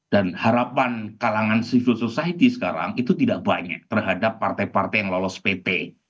dan harapan kalangan civil society sekarang itu tidak banyak terhadap partai partai yang lolos pt